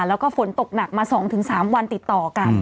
แล้วก็ฝนตกหนักมา๒๓วันติดต่อกัน